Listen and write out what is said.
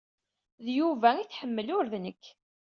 D Yuba ay tḥemmel, ur d nekk.